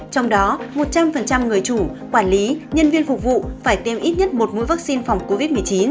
trong đó một trăm linh người chủ quản lý nhân viên phục vụ phải tiêm ít nhất một mũi vaccine phòng covid một mươi chín